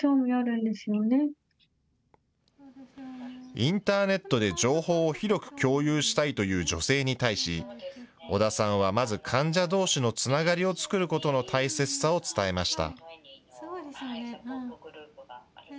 インターネットで情報を広く共有したいという女性に対し、織田さんはまず患者どうしのつながりを作ることの大切さを伝えました。